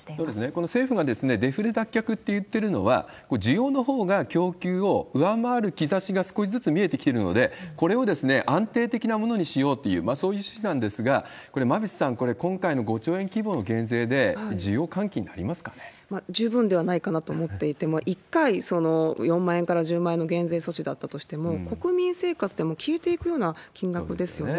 この政府がデフレ脱却って言ってるのは、需要のほうが供給を上回る兆しが少しずつ見えてきているので、これを安定的なものにしようという、そういう主旨なんですが、これは馬渕さん、今回の５兆円規模の減税で、十分ではないかなと思っていて、１回、４万円から１０万円の減税措置だったとしても、国民生活でも消えていくような金額ですよね。